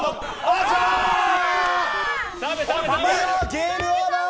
ゲームオーバー！